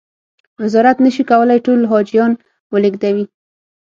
وزارت نه شي کولای ټول حاجیان و لېږدوي.